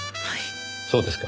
そうですか。